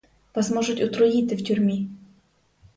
Вас можуть отруїти в тюрмі.